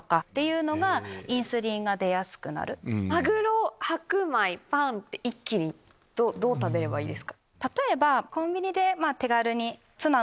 マグロ白米パンって一気にどう食べればいいですか？